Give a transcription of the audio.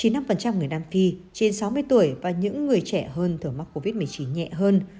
chín mươi năm người nam phi trên sáu mươi tuổi và những người trẻ hơn thường mắc covid một mươi chín nhẹ hơn